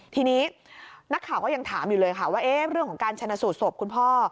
ทีนี้นักข่าวก็ยังถามอยู่เลยค่ะว่าเรื่องของการชนะสูตรศพคุณพ่อ